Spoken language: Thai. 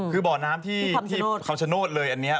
คือเบาะน้ำที่เขาชะโน้ดเลย